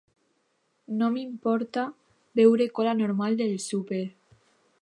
No m'importa beure cola normal del súper.